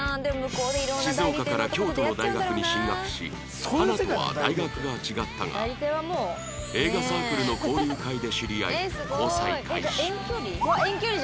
静岡から京都の大学に進学し花とは大学が違ったが映画サークルの交流会で知り合い交際開始じゃあ遠距離？